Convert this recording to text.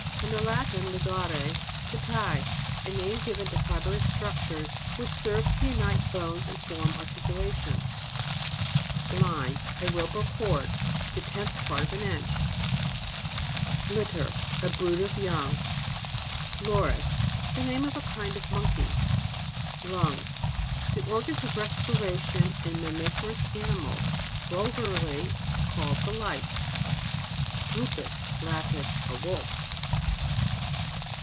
From the Latin ligare, to tie. A name given to fibrous struc tures, which serve to unite bones, and form articulations. LINE. A rope, or cord. The tenth part of an inch. LITTER. A brood of young. LOR IP. The name ofa kind of monkey. LUNGS. The organs of respiration in mammiferous animals. Vulgarly called the lights. LUPUS. Latin. A Wolf.